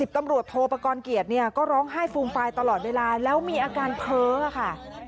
๑๐ตำรวจโทรปกรเกียจนี้ก็ร้องไห้ฟูงปลายตลอดเวลาแล้วมีอาการเผ้าค่ะ